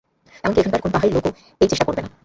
এমনকি এখানকার কোন পাহাড়ি লোকও এই চেষ্টা করবে না।